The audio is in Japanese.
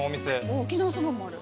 沖縄そばもある。